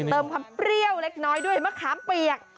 เติมความเปรี้ยวเล็กน้อยด้วยมะขามเปียก